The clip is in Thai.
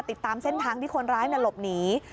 ติดตามเส้นทางที่คนร้ายหลบหนี